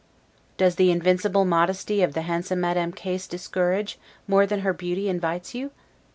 Does the invincible modesty of the handsome Madame Case discourage, more than her beauty invites you?